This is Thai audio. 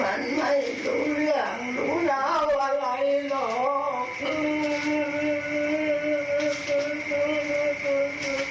มันไม่รู้เรื่องรู้เร้าอะไรหรอก